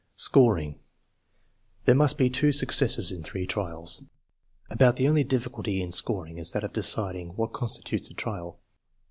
Scoring. There must be two successes in three trials. About the only difficulty in scoring is that of deciding what constitutes a trial.